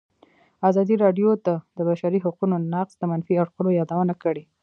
ازادي راډیو د د بشري حقونو نقض د منفي اړخونو یادونه کړې.